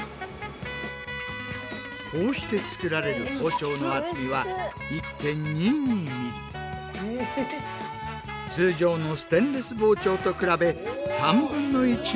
こうして作られる包丁の厚みは通常のステンレス包丁と比べ３分の１の薄さです。